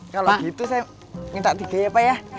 kalau gitu saya minta tiga ya pak ya